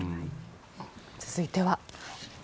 続いては。